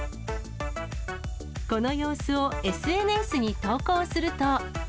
この様子をＳＮＳに投稿すると。